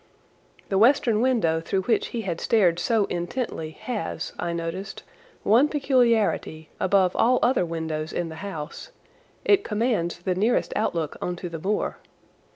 The western window through which he had stared so intently has, I noticed, one peculiarity above all other windows in the house—it commands the nearest outlook on to the moor.